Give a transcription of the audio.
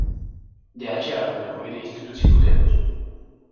De aceea avem nevoie de instituții puternice.